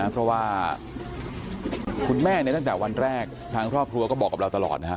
เพราะว่าคุณแม่เนี่ยตั้งแต่วันแรกทางครอบครัวก็บอกกับเราตลอดนะครับ